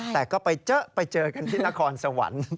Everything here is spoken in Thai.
แต่ก็ไปเจอไปเจอกันที่นครสวรรค์